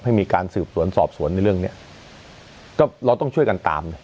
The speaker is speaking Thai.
ให้มีการสืบสวนสอบสวนในเรื่องเนี้ยก็เราต้องช่วยกันตาม